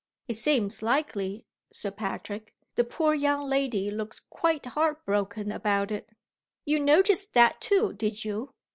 "It seems likely, Sir Patrick. The poor young lady looks quite heart broken about it." "You noticed that too, did you?